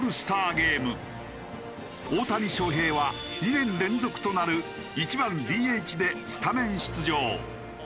大谷翔平は２年連続となる１番ＤＨでスタメン出場。